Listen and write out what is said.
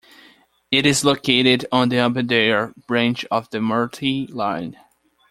It is located on the Aberdare branch of the Merthyr Line.